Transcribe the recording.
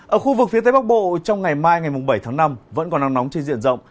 ở khu vực phía tây bắc bộ trong ngày mai ngày bảy tháng năm vẫn còn nắng nóng trên diện rộng